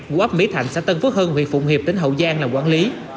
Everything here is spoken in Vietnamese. của ấp mỹ thạnh xã tân phước hưng huyện phụng hiệp tỉnh hậu giang làm quản lý